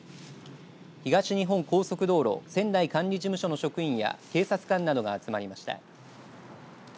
東日本高速道路仙台管理事務所の職員や警察官などが集まりました。